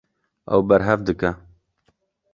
Ew berhev dike.